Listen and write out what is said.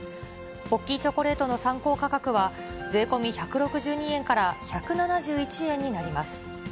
ポッキーチョコレートの参考価格は、税込み１６２円から１７１円になります。